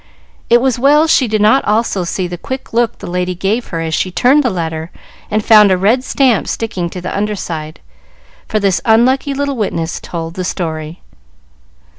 It was well she did not also see the quick look the lady gave her as she turned the letter and found a red stamp sticking to the under side, for this unlucky little witness told the story.